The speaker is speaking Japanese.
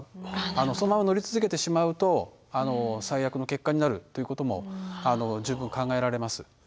そのまま乗り続けてしまうと最悪の結果になるということも十分考えられます。